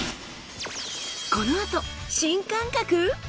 このあと新感覚！？